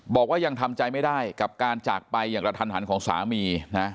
บอกว่ายังทำใจไม่ได้กับการจากไปอย่างกระทันหันของสามีนะ